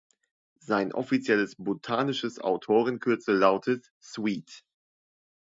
Sein offizielles botanisches Autorenkürzel lautet „Sweet“.